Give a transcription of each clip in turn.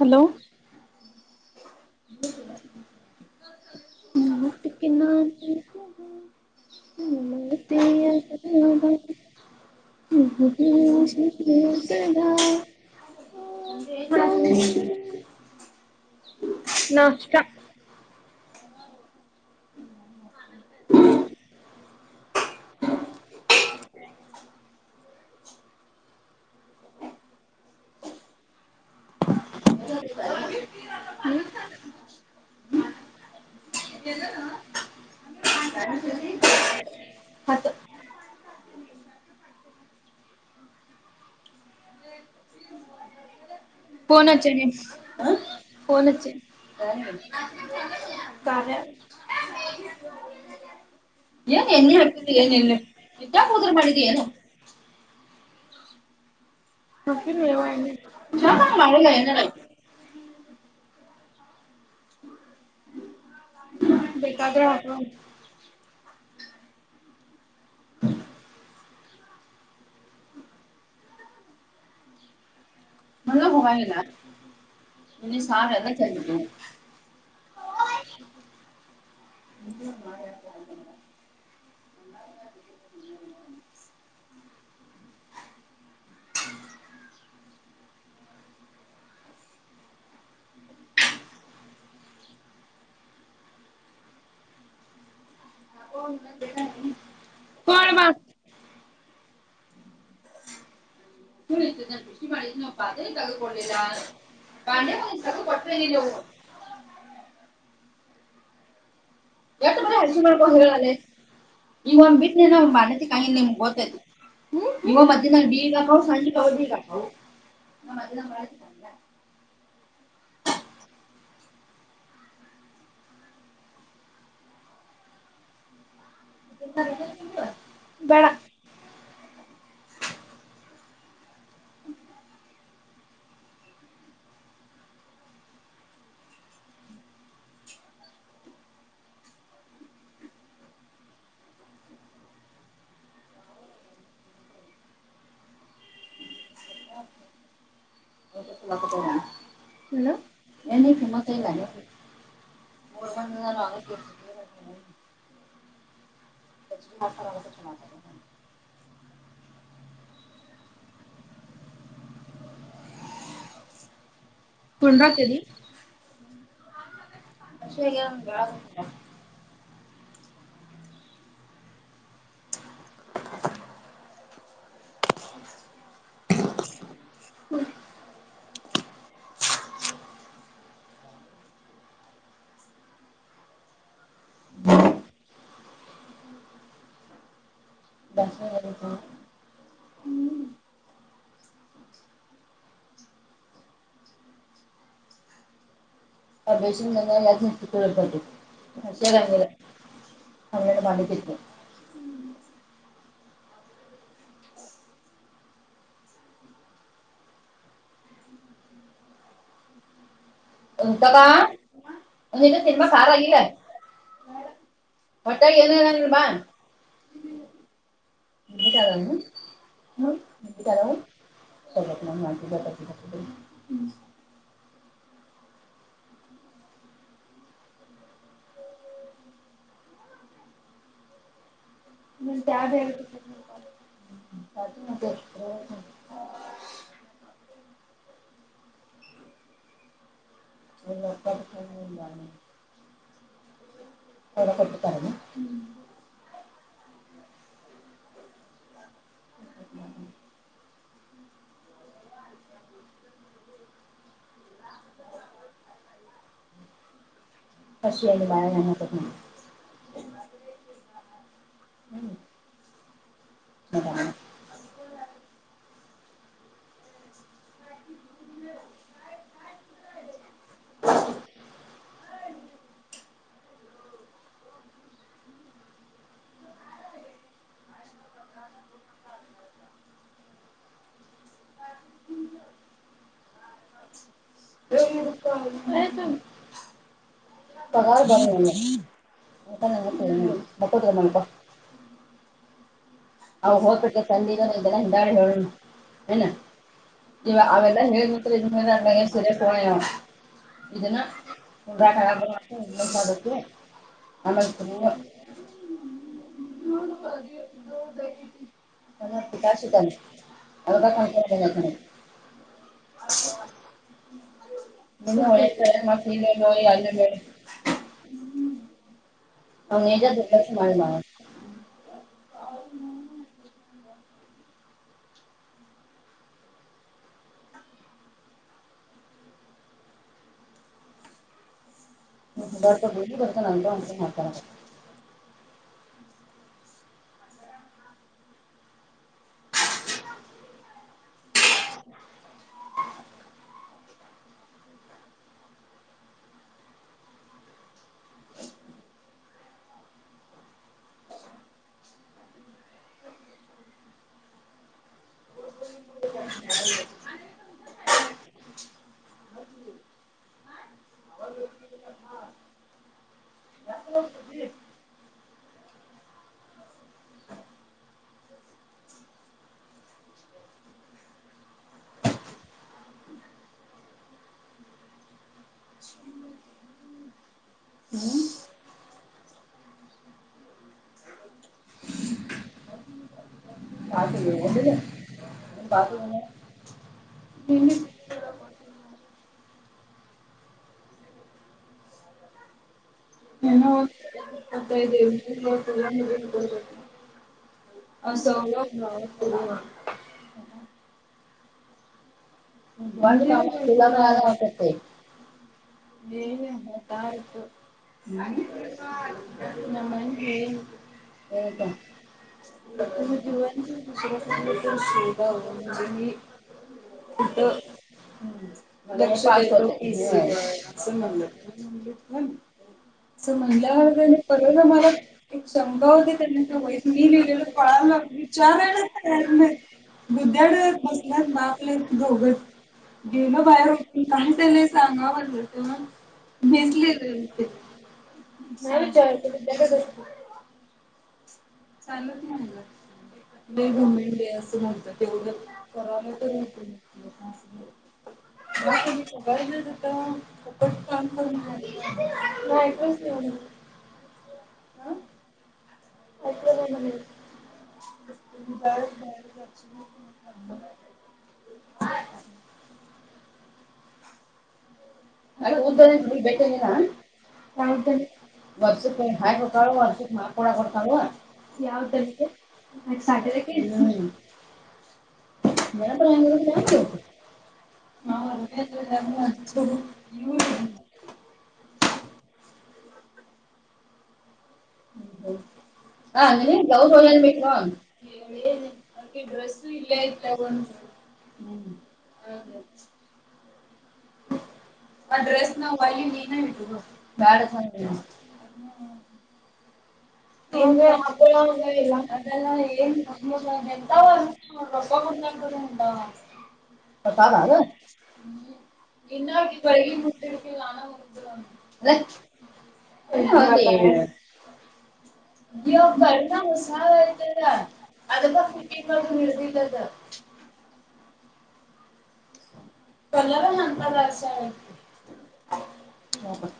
Hello ಮತ್ತಕ್ಕೆನ್ನ ಹ್ಮ ಮಂತ ಸಿ ಸದ ಏನ್ ನೌಸ್ತ ಹ್ಮ ಫೋನ್ ನೀ ಫೋನ್ ಸಾವೆ [inaudible] [inaudible] [inaudible] ಏನ್ ಎ್ಣ ಹಾತಿದಿದ್ದಿ ಏನ್ ಇಲ್ಲ ವಿದ್ಯಾ ಕೋದ್ರ ಮಾಡಿದ ಏನ ನ ಮಾಡ ಬೇಕಾದ್ರೆ ಹ ಹೋಗಾಯಲ್ಲ ನೀ ಸ ಎಲ್ಲ ಸಜ ಹ ಇ ಮಾತಾಡ್ತ ಹ್ಮ ಪ ಮಕ್ ಿಾ ಬ ತ ಕೊಡ್ಲಿಲ್ಲ ಬೆ ತ ಕೊಟ್ಟನಿಲ್ಲ ಯತ್ತ್ರ ಹೆಜ ಮಾಡ್ಕೋ ಹೇಳಲ್ಲ ಈಗ ಒಂದ್ ಬಿಟ್ಟ ಮನತಿ ಕಾಯ ನಿಮ್ಗ್ ಗೊತ್ತೈತಿ ಹ್ಮ ಇವ ಮಗಗ ಮ [inaudible] ಬಡ ಹಲ ಏನ ಕೆಮ್ಮ ತಲ್ಲ ಬ ಹತರು ಮಾಡತ ಪನ್ ರಾ ಕರಿ ಅಷೆ ನ್ ಹ್ಮ ಹಾ ದಸ ಅಭಷ ನಿೇ ಅನ್ನಡೆ ಮಾಡಾಣ ತಿತು ಉಂಟದ ಒಂದ ಇಗ ಸಿನಿಮಾ ಸಾಲಾಗಿಿಲ್ಲ ಒಟ್ಟಾಗಿ ಏನಾರ ನೀಮ್ಮ ಎ ಕರ ಹ ಎ ಕರವು ತ ಮಾಡ ್ಯಾಬ್ ಹೇಳ್ತ ಅದ ಹ ಒಲ್ಲತ್ತ ಎಾನ ಹೊರಟ್ಟತೆ ಹ್ಮ [inaudible] ಅಷ ಅಲ್ಲಿ ಬಳ ಜನ್ನಕ ಹ್ಮ ಹ [inaudible] [inaudible] [inaudible] ಹತು ಪರಾರ ಬರಲ್ಲ ಅತ್ತ ತ ಮತ್ತ ತೋನ್ನಪ ಹ ಹೋಗ್ೆ ಚದ ದಾಾರಿ ಹ ನ ಇ ಅವೆಲ್ಲ ಹೇಳ.. ಇದನ್ನ ಉರಾಟ.. [unintelligible] ಶತಲ್ಲ ಅದ ಕ [inaudible] ಹ [unintelligible] ನೀನ್ನ ಹೊನೆ ಮತ್ತ ನೀ ಹ ಮ ಮ ಹಂಗಜ ದಕ್ಷು ಮಾಡಿ ಮಾಡ.. ಹ್ಮ ಗ ಗೊತ್ತು ನಂತ ಅಟ ಮಾಡತ.. ಸ [unintelligible] ಹ್ಮ್.. ಬತ ನೀ ಬತ [inaudible] ನಿ [inaudible] ನನ [unintelligible] ಮತ್ತ ಇದ [unintelligible] ಹ ಸೌ. [unintelligible] ಲ್ಲಾಗತತ್ತೆ [inaudible] ಏತಾಯತು [unintelligible] ನಮ್ಮ ಅವನು ಗೇ.. ಇತ್ತ [unintelligible] [unintelligible] ಲಕ್ಷಧಿ [inaudible] ಹ ಬ ಶಂಕ ಹೊ ವ ಮ ಕ [unintelligible] ವಿಚಾರಲ್ಲ ಗು್ದಡ ಬಸನ ಬಪ [inaudible] ಗೋಗ ಗೇಲ ಬರ ಉ ಕ ಚಲ್ಲ ಸಂಗ ಒಬತ [inaudible] ಬಿಸಲಿ [inaudible] ಹತದಗತ ಚ [inaudible] ನ ಗಮೆಂಡ ಅ ಮತ ಎವ ಕರಾವಲ್ಲ ತ ಹೊತ [inaudible] ಹ್ಮ [unintelligible] ಕ [unintelligible] ಹ್ಮ್ಮ್ ಅಷ್ಟ [inaudible] [unintelligible] ಐ ಅಲ್ಲ ಊದ್ದದ ಬಟಂಗಿಲ್ಲ [unintelligible] ಒರ್ಸಕ್ ಹಾಯಿ ಕೊಡ್ತಾಳ ಒರ್ಸಕ್ ಮಾಡಕೊಡ ಕೊಡ್ತಾಳ ಯಾವ್ದ.. [unintelligible] ು [unintelligible] ಹಾ ಇ [inaudible] ಹ್ಮ ಹ ಹಾ ನಿನಗ್ ಗೌರವ ಏನ್ಬೇಕನ್ [inaudible] ಅೆ ಡ್ರೆಸ್ಸು ಇಲ್ಲೇ ಇತ ಒಂದು ಹ್ಮ [unintelligible] ಆ ಡ್ರೆಸ್ ನ ವಲ್ಯ ನೀನ ಇಟ್ಟು ಬಾರ [inaudible] ಹ್ಮ್್ಮ [unintelligible] ಹಕಳ ಇಲ್ಲ ಅದೆಲ್ಲ ಏನ್ಂತಾವ [unintelligible] ಗೂಡ ಪತ್ತ ಮಾಡಾರ ನಿನ್ನ ಕೊರಲಿ ಬಿಟ್ಟಡ್ಕ್ಕಲ್ಲಾನ ಉಜ [inaudible] ಹ್ಮ್ಮ್ ಇ ಬರಣ ಮುಸ್ಲಬಲ್ಲ [unintelligible] ಅನುಪಸ್ಥಿತಿ.. ಕೊಲ್ಲಾರ ನಾನ್ಪಾಲಹಾಸಿಗತಿ. [inaudible]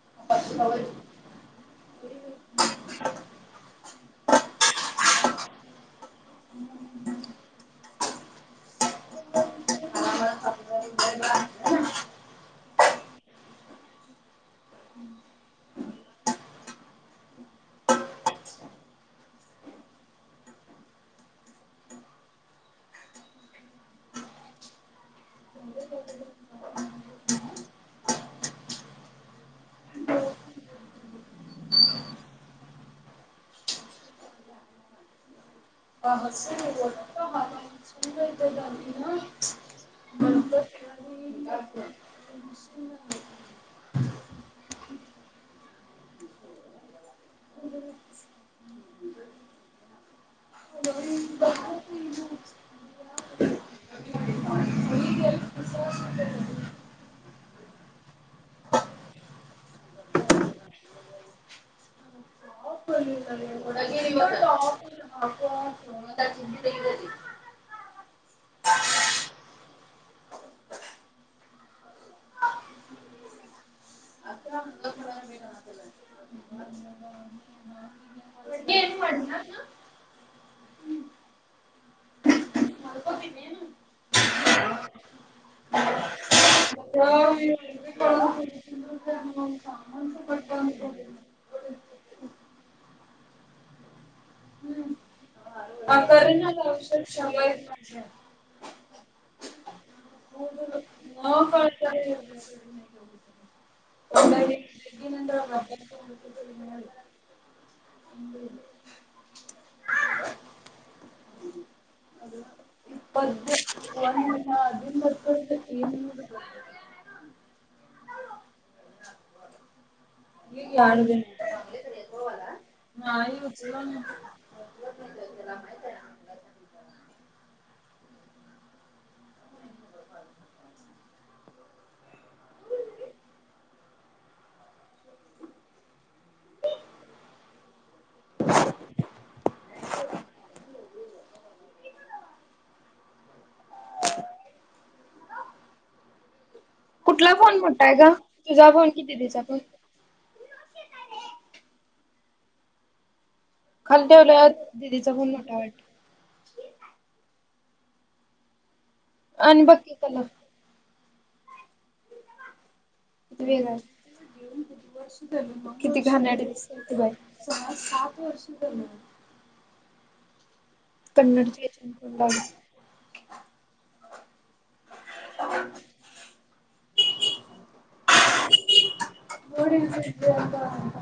[inaudible] [inaudible] [inaudible] [inaudible] ಹಾ ಹಸರಾ. [inaudible] [inaudible] [inaudible] [inaudible] ಹ ಕರಿನಾ [unintelligible] [inaudible] [inaudible] ಅಂಗಾಗಿ [unintelligible] [inaudible] ಈಗ ಎಡದಿನ. [inaudible] [inaudible] ಕುಠಲಕ [inaudible] [inaudible] ಅನ ಬೇಕ ಇತ್ತಲ. ಅತಿವೇಗ. [inaudible] ಕನ್ನಡ [unintelligible] [inaudible] [inaudible]